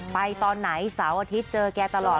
ตอนไหนเสาร์อาทิตย์เจอแกตลอด